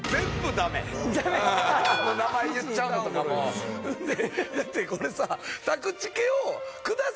だってこれさ。